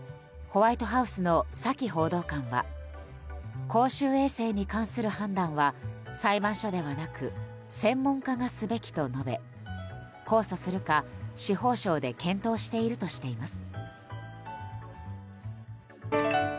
ホワイトハウスのサキ報道官は公衆衛生に関する判断は裁判所ではなく専門家がすべきと述べ控訴するか司法省で検討しているとしています。